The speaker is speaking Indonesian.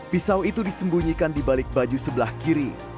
pisau itu disembunyikan di balik baju sebelah kiri